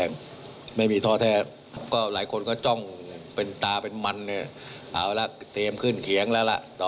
เป็นใจผมเถอะอย่าเอาเป็นตัวตายของผมนักเลย